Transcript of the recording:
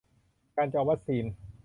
การจองวัคซีน